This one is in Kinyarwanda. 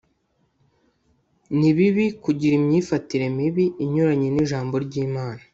ni bibi kugira imyifatire mibi inyuranye n'ijambo ry'imana